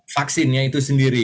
vaksinnya itu sendiri